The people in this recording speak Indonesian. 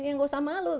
ya nggak usah malu